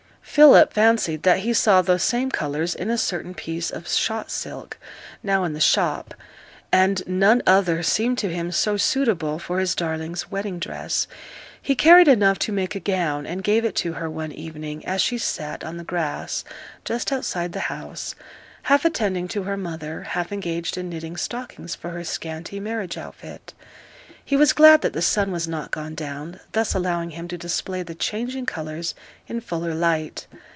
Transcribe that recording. Philip fancied that he saw the same colours in a certain piece of shot silk now in the shop; and none other seemed to him so suitable for his darling's wedding dress. He carried enough to make a gown, and gave it to her one evening, as she sate on the grass just outside the house, half attending to her mother, half engaged in knitting stockings for her scanty marriage outfit. He was glad that the sun was not gone down, thus allowing him to display the changing colours in fuller light.